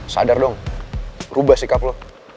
sadar dong rubah sikap lo